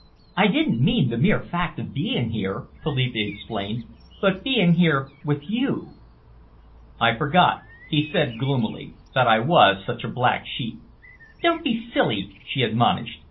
"I didn't mean the mere fact of being here," Philippa explained, "but being here with you." "I forgot," he said gloomily, "that I was such a black sheep." "Don't be silly," she admonished.